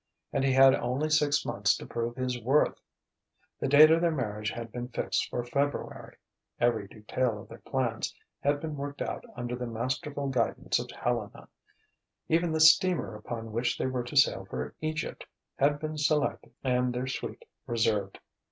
And he had only six months to prove his worth. The date of their marriage had been fixed for February; every detail of their plans had been worked out under the masterful guidance of Helena; even the steamer upon which they were to sail for Egypt had been selected and their suite reserved.